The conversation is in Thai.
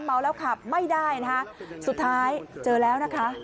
เมาแล้วขับไม่ได้นะคะสุดท้ายเจอแล้วนะคะ